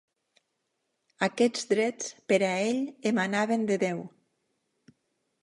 Aquests drets per a ell emanaven de Déu.